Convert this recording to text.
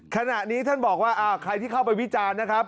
ขณะนี้ท่านบอกว่าใครที่เข้าไปวิจารณ์นะครับ